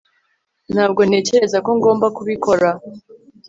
ntabwo ntekereza ko ngomba kubikora